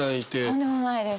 とんでもないです。